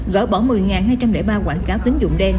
gỡ bỏ một mươi hai trăm linh ba quảng cáo tính dụng đen